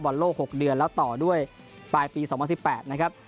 โลก๖เดือนแล้วต่อด้วยปลายปี๒๐๑๘นะครับ